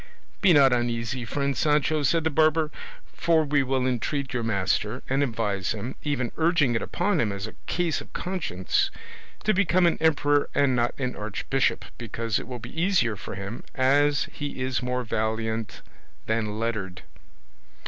"Be not uneasy, friend Sancho," said the barber, "for we will entreat your master, and advise him, even urging it upon him as a case of conscience, to become an emperor and not an archbishop, because it will be easier for him as he is more valiant than lettered."